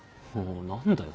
何だよ？